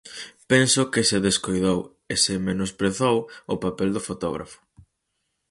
"Penso que se descoidou e se menosprezou o papel do fotógrafo".